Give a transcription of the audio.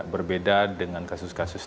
berbeda dengan kasus kasus